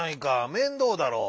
面倒だろう。